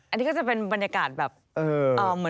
อันนี้ก็จะเป็นบรรยากาศแบบ